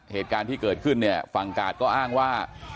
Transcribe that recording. เหตุการณ์ที่เกิดขึ้นฟังกาศก็อ้างว่า